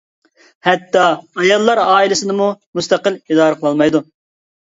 ھەتتا ئاياللار ئائىلىسىنىمۇ مۇستەقىل ئىدارە قىلالمايدۇ.